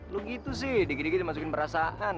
lo gitu sih digigit gigit masukin perasaan